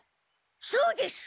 そうです！